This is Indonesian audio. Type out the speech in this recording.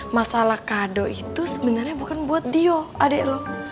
masalah kado itu sebenernya bukan buat dio adek lo